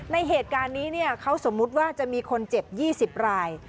ในเหตุการณ์นี้เขาสมมุติว่าจะมีคนเจ็บ๒๐ราย